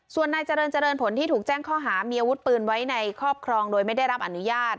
ส่วนนายเจริญเจริญผลที่ถูกแจ้งข้อหามีอาวุธปืนไว้ในครอบครองโดยไม่ได้รับอนุญาต